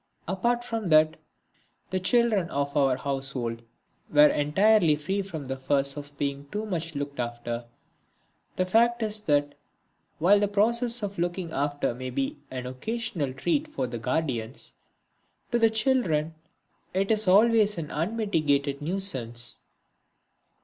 Apart from that, the children of our household were entirely free from the fuss of being too much looked after. The fact is that, while the process of looking after may be an occasional treat for the guardians, to the children it is always an unmitigated nuisance.